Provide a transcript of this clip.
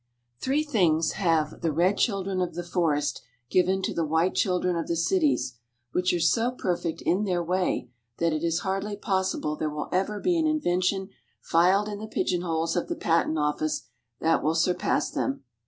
* Three things have the "red children of the forest" given to the white children of the cities which are so perfect in their way that it is hardly possible there will ever be an invention filed in the pigeon holes of the patent office that will surpass them.